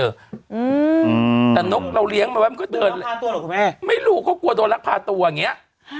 อืมแต่นกเราเลี้ยงมาแป๊บก็เดินโดยรักภาคตัวหรอคุณแม่ไม่รู้เขากลัวโดนรักภาคตัวอย่างเงี้ย